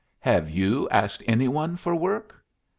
"Have you asked any one for work?"